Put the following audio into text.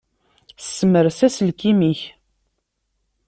Ssemres aselkim-ik.